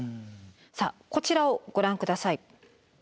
さあこちらをご覧ください。